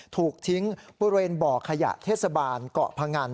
ถูกทิ้งบริเวณบ่อขยะเทศบาลเกาะพงัน